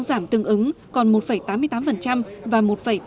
giảm tương ứng còn một tám mươi tám và một tám mươi